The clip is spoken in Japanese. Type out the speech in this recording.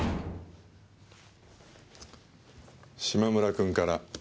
嶋村君から。